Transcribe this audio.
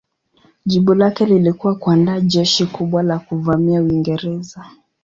Jibu lake lilikuwa kuandaa jeshi kubwa la kuvamia Uingereza.